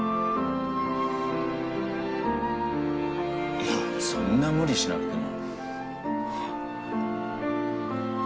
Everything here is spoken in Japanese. いやそんな無理しなくても。